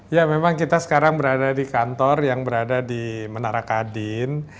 ya memang kita sekarang berada di kantor yang berada di menara kadin